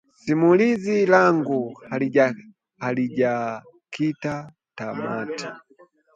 Simulizi langu halijakita tamati